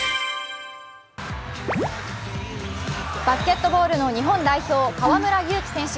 バスケットボールの日本代表、河村勇輝選手。